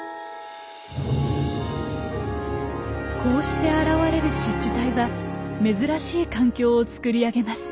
こうして現れる湿地帯は珍しい環境をつくり上げます。